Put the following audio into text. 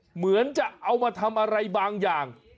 เหมือนจะเอามาทำอะไรบางอย่าง